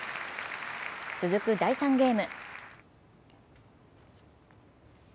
続く第３ゲーム。